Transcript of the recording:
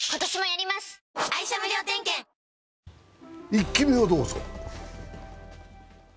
「イッキ見」をどうぞ。